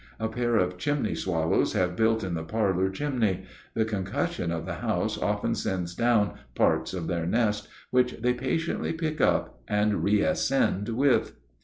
A pair of chimney swallows have built in the parlor chimney. The concussion of the house often sends down parts of their nest, which they patiently pick up and reascend with.